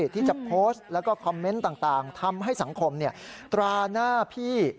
ที่จะโพสต์แล้วก็คอมเมนต์ต่างทำให้สังคมตราหน้าพี่